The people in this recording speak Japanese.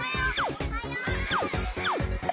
・おはよう！